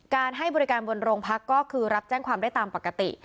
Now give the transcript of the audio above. ให้บริการบนโรงพักก็คือรับแจ้งความได้ตามปกติ